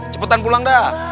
cepetan pulang dah